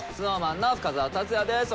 ＳｎｏｗＭａｎの深澤辰哉です。